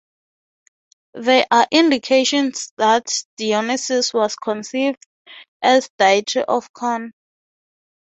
There are indications that Dionysus was conceived as a deity of corn.